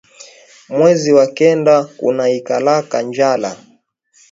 Mwezi wa kenda kunaikalaka njala